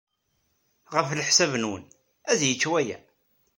Ɣef leḥsab-nwen, ad yečč waya?